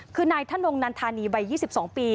คือนายท่านองค์นานธานีวัย๒๒ปี